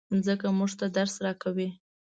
مځکه موږ ته درس راکوي.